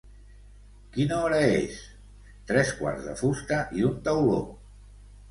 Quina hora és? —Tres quarts de fusta i un tauló.